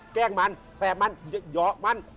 แกล้งมันแต่มันเยอะมัน